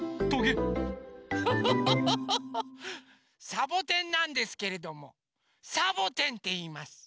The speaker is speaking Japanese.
サボテンなんですけれどもサボテンっていいます。